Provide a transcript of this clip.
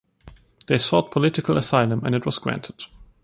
They sought political asylum and it was granted.